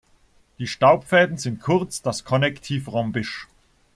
Die Staubfäden sind kurz, das Konnektiv rhombisch.